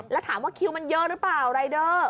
แล้วถามว่าคิวมันเยอะหรือเปล่ารายเดอร์